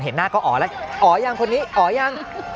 เห็นหน้าก็อ๋อแล้วอ๋ออย่างคนนี้อ๋ออย่าง